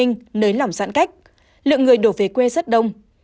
nới lỏng giãn cách lượng người đổ về quê rất đông